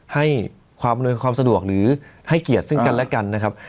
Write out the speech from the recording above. ให้ความอำนวยความสะดวกหรือให้เกียรติซึ่งกันและกันนะครับ